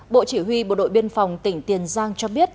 bộ chỉ huy bộ đội biên phòng tỉnh tiền giang cho biết